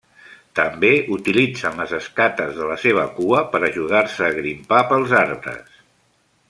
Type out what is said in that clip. També utilitzen les escates de la seva cua per ajudar-se a grimpar pels arbres.